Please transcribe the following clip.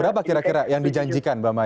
berapa kira kira yang dijanjikan mbak mai